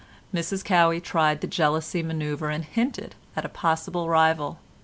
Mrs Cowey tried the jealousy manoeuvre and hinted at a possible rival.